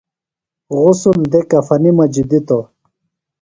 غسل دےۡ کفنیۡ مجیۡ دِتوۡ ۔